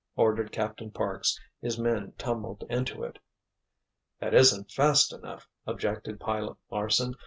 ordered Captain Parks. His men tumbled into it. "That isn't fast enough!" objected Pilot Larsen.